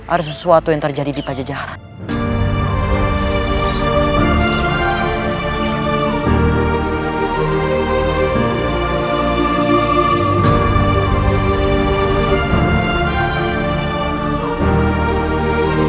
ada sesuatu yang terjadi di pajajaran